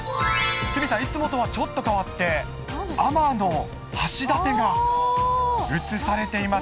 鷲見さん、いつもとはちょっと変わって、天橋立が映されています。